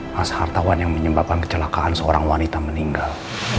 khas hartawan yang menyebabkan kecelakaan seorang wanita meninggal